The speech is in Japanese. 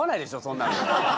そんなの。